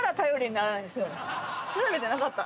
調べてなかった。